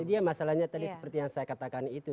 jadi ya masalahnya tadi seperti yang saya katakan itu